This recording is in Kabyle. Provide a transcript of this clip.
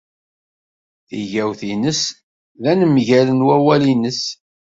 Tigawt-nnes d anemgal n wawal-nnes.